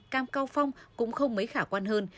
cam cao phong cũng không mấy khả quan hơn